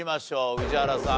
宇治原さん